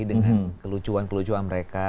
dengan kelucuan kelucuan mereka